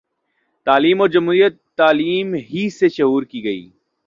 تعلیم اور جمہوریت تعلیم ہی سے شعور کی گرہیں